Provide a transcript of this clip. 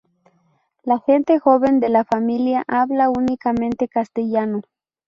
La gente joven de la familia habla únicamente castellano.